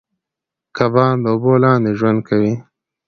کبان د اوبو لاندې ژوند کوي